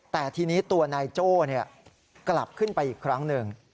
แต่ทีนี้ตัวนายโจ้กลับขึ้นไปอีกครั้งหนึ่ง